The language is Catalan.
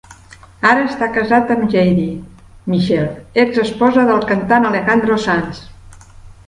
Ara està casat amb Jaydy Michel, ex-esposa del cantant Alejandro Sanz.